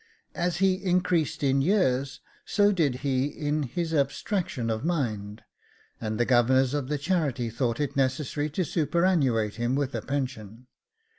As he increased in years so did he in his abstraction of mind, and the governors of the charity thought it necessary to super annuate him with a pension.